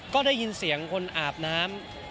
ก็ได้ยินเสียงคนอาบน้ำ